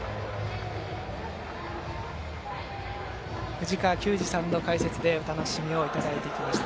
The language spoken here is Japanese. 藤川球児さんの解説でお楽しみをいただいてきました。